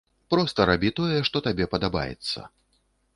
Проста рабі тое, што табе падабаецца.